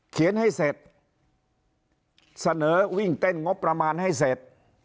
เขียนให้เสร็จเสนอวิ่งเต้นงบประมาณให้เสร็จ